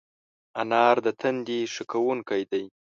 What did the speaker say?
انار د تندي ښه کوونکی دی.